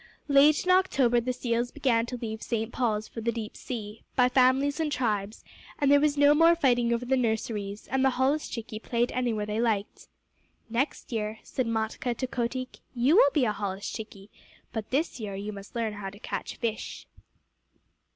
Late in October the seals began to leave St. Paul's for the deep sea, by families and tribes, and there was no more fighting over the nurseries, and the holluschickie played anywhere they liked. "Next year," said Matkah to Kotick, "you will be a holluschickie; but this year you must learn how to catch fish."